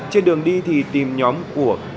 trên đường đi thì tìm nhóm của